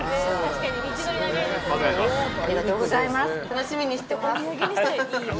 楽しみにしてます。